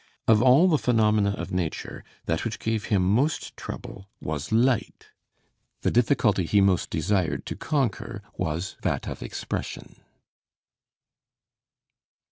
Of all the phenomena of nature, that which gave him most trouble was light; the difficulty he most desired to conquer was that of expression.